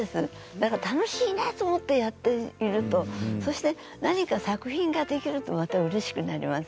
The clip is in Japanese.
だから楽しいなと思ってやっているとそして何か作品ができるとまたうれしくなります。